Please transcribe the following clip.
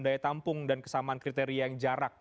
daya tampung dan kesamaan kriteria yang jarak